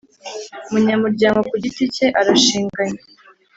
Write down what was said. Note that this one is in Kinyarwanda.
Umunyamuryango Ku Giti Cye Arashinganye